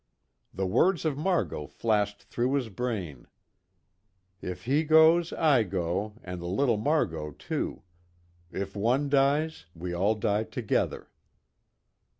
The words of Margot flashed through his brain: "If he goes, I go, and the little Margot, too. If one dies, we all die together."